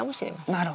なるほど。